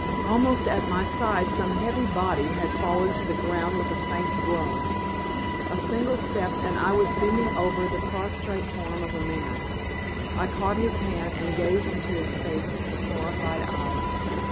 Almost at my side some heavy body had fallen to the ground with a faint groan. A single step, and I was bending over the prostrate form of a man. I caught his hand and gazed into his face with horrified eyes.